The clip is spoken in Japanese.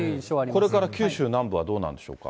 これから九州南部はどうなるんでしょうか。